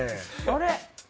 あれ？